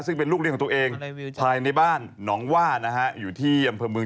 ซึ่งเป็นลูกเลี้ยงของตัวเองภายในบ้านหนองว่านะฮะอยู่ที่อำเภอเมือง